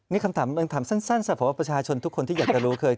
นี่คำถามถามสั้นสำหรับประชาชนทุกคนที่อยากจะรู้คือ